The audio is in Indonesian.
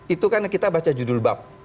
itu kan kita baca judul bab